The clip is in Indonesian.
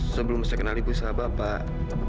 sebelum saya kenal ibu sahabat pak